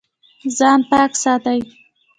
ځان پاک ساتئ